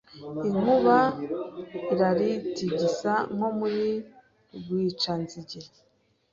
inkuba iraritigisa nko muri Rwicanzige